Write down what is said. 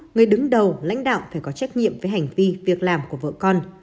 người đứng đầu lãnh đạo phải có trách nhiệm với hành vi việc làm của vợ con